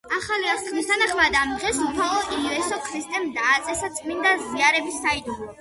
ახალი აღთქმის თანახმად, ამ დღეს უფალმა იესო ქრისტემ დააწესა წმინდა ზიარების საიდუმლო.